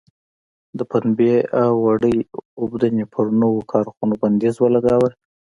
د پنبې او وړۍ اوبدنې پر نویو کارخونو بندیز ولګاوه.